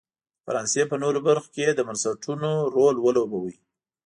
د فرانسې په نورو برخو کې یې د بنسټونو رول ولوباوه.